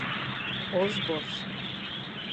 Ozbors.